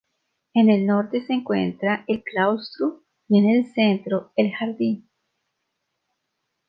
En el norte se encuentran el claustro y en el centro el jardín.